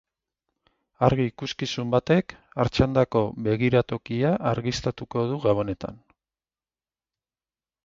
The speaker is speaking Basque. Argi-ikuskizun batek Artxandako begiratokia argiztatuko du Gabonetan.